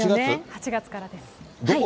８月からです。